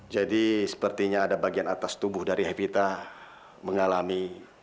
jadi sepertinya ada bagian atas tubuh dari evita mengalami